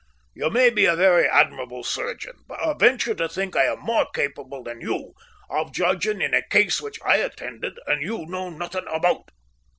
You may be a very admirable surgeon, but I venture to think I am more capable than you of judging in a case which I attended and you know nothing about."